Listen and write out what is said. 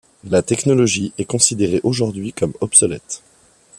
La technologie est considérée aujourd’hui comme obsolète.